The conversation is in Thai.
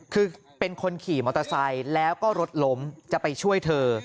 คือเป็นคนขี่มอเตอร์ไซค์แล้วก็รถล้มจะไปช่วยเธอ